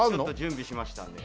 準備しましたんで。